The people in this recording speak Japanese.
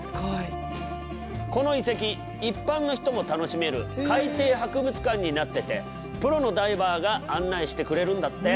この遺跡一般の人も楽しめる海底博物館になっててプロのダイバーが案内してくれるんだって。